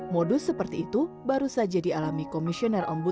modus seperti itu baru saja dialami komisioner ombuds